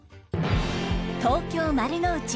東京丸の内。